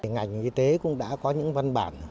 ngành y tế cũng đã có những văn bản